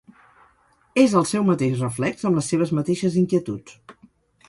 És el seu mateix reflex amb les seves mateixes inquietuds.